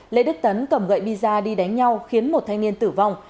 lê đức tấn cầm gậy bì ra đi đánh nhau khiến một thanh niên tử vong